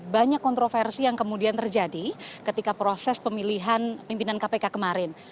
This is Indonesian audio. banyak kontroversi yang kemudian terjadi ketika proses pemilihan pimpinan kpk kemarin